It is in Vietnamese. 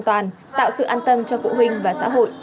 tạo sự an tâm cho phụ huynh và xã hội